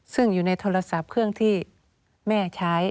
ซึ่งอยู่ในโทรศัพท์เครื่องที่แม่ใช้